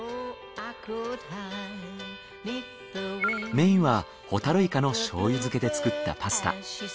メインはホタルイカの醤油漬けで作ったパスタ。